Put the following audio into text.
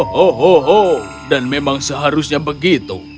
hohoho dan memang seharusnya begitu